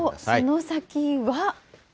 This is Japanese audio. その先は？